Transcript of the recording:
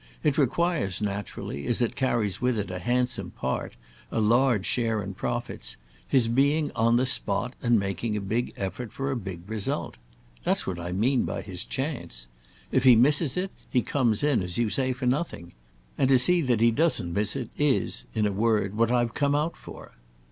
It requires, naturally, as it carries with it a handsome 'part,' a large share in profits, his being on the spot and making a big effort for a big result. That's what I mean by his chance. If he misses it he comes in, as you say, for nothing. And to see that he doesn't miss it is, in a word, what I've come out for."